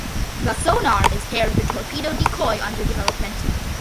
The sonar is paired with a torpedo decoy under development.